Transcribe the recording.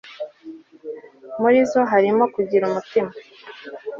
muri zo harimo kugira umutima